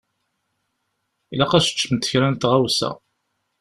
Ilaq ad teččemt kra n tɣawsa.